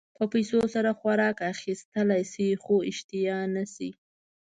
په پیسو سره خوراک اخيستلی شې خو اشتها نه شې.